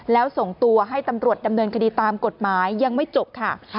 แล้วส่งตัวให้ตำรวจดำเนินคดีตามกฎหมายยังไม่จบค่ะ